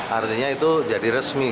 artinya itu jadi resmi